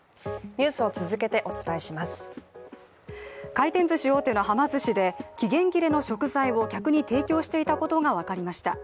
回転ずし大手のはま寿司で期限切れの食材を客に提供していたことが分かりました。